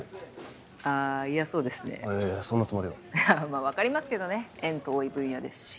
まあ分かりますけどね縁遠い分野ですし。